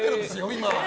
今。